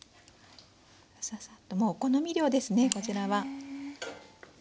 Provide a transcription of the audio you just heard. ササッともうお好み量ですねこちらは。